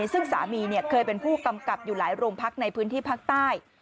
ซึ่งสามีเคยเป็นผู้กำกับอยู่หลายโรงพักในพื้นที่ภาคใต้